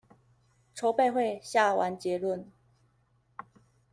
籌備會下完結論